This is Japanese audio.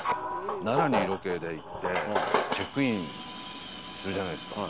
奈良にロケで行ってチェックインするじゃないですか。